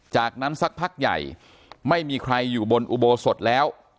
จากนั้นสักพักใหญ่ไม่มีใครอยู่บนอุโบสถแล้ว